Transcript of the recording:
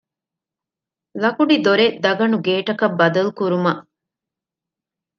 ލަކުޑިދޮރެއް ދަގަނޑުގޭޓަކަށް ބަދަލުކުރުމަށް